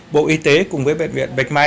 bộ y tế cùng với bệnh viện bạch mai